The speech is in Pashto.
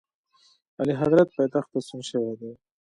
اعلیحضرت پایتخت ته ستون شوی دی.